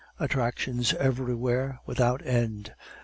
Attractions everywhere, without end!